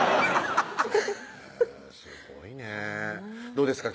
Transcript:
へぇすごいねどうですか？